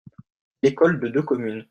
L’école de deux communes.